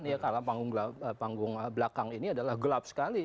ya karena panggung belakang ini adalah gelap sekali